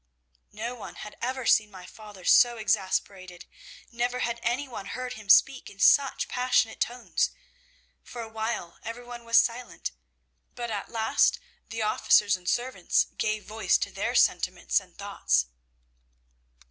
"No one had ever seen my father so exasperated, never had any one heard him speak in such passionate tones. For a while every one was silent, but at last the officers and servants gave voice to their sentiments and thoughts.